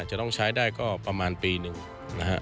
จะต้องใช้ได้ก็ประมาณปีหนึ่งนะฮะ